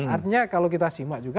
artinya kalau kita simak juga